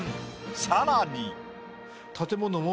さらに。